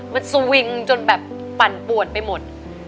มันสวิงจนแบบปั่นปวดไปหมด